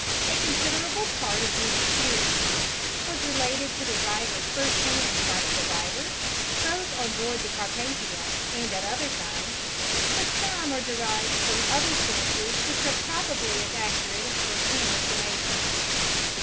A considerable part of these experiences was related to the writer first hand by survivors, both on board the Carpathia and at other times, but some are derived from other sources which are probably as accurate as first hand information.